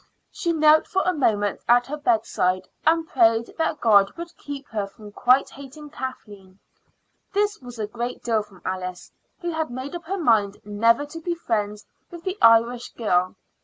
She knelt for a moment at her bedside and prayed that God would keep her from quite hating Kathleen. This was a great deal from Alice, who had made up her mind never to be friends with the Irish girl.